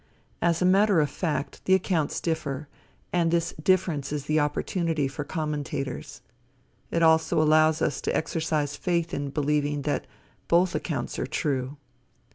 As a matter of fact the accounts differ, and this difference is the opportunity for commentators. It also allows us to exercise faith in believing that both accounts are true.